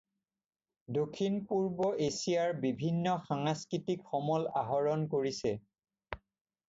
দক্ষিণ-পূৰ্ব-এছিয়াৰ বিভিন্ন সাংস্কৃতিক সমল আহৰণ কৰিছে।